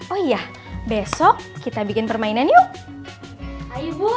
oh iya besok kita bikin permainan yuk